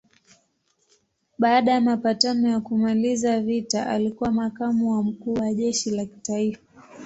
Baada ya mapatano ya kumaliza vita alikuwa makamu wa mkuu wa jeshi la kitaifa.